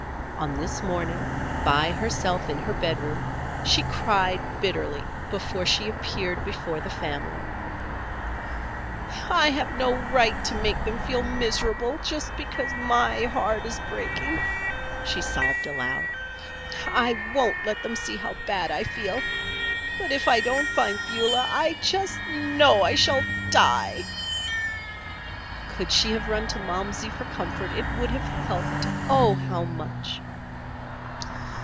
On this morning, by herself in her bedroom, she cried bitterly before she appeared before the family. "I have no right to make them feel miserable just because my heart, is, breaking," she sobbed aloud. "I won't let them see how bad I feel. But if I don't find Beulah, I just know I shall die!" Could she have run to Momsey for comfort it would have helped, Oh, how much!